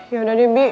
yaudah deh bi